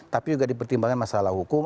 tapi juga dipertimbangkan masalah hukum